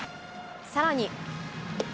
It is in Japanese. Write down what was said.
さらに。